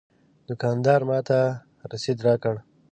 دوکاندار ماته رسید راکړ.